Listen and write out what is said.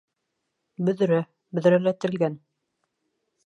Бөҙрә, бөҙрәләтелгән.